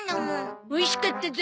おいしかったゾ。